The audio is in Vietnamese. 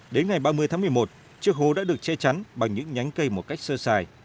đến ngày ba mươi tháng một mươi một chiếc hố đã được che chắn bằng những nhánh cây một cách sơ sài